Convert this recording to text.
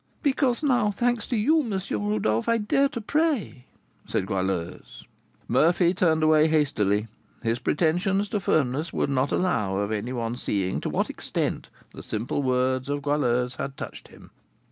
"Because now, thanks to you, M. Rodolph, I dare to pray," said Goualeuse. Murphy turned away hastily; his pretensions to firmness would not allow of any one seeing to what extent the simple words of Goualeuse had touched him.